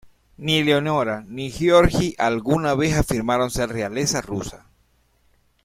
Ni Eleonora ni Georgi alguna vez afirmaron ser realeza rusa.